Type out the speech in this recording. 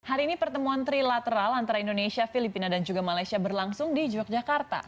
hari ini pertemuan trilateral antara indonesia filipina dan juga malaysia berlangsung di yogyakarta